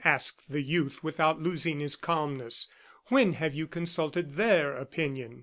asked the youth without losing his calmness. "When have you consulted their opinion?"